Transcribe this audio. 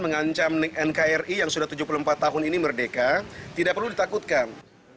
mengancam nkri yang sudah tujuh puluh empat tahun ini merdeka tidak perlu ditakutkan